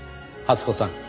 初子さん